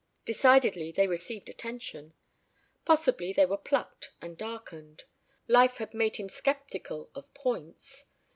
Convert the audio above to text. Decidedly they received attention. Possibly they were plucked and darkened life had made him skeptical of "points."